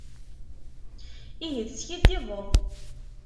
Ihi teskiddibeḍ!